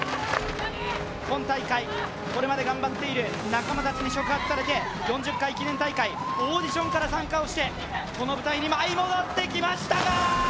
今大会、これまで頑張っている仲間たちに触発されて４０回記念大会、オーディションから参加をしてこの舞台に、舞い戻ってきました。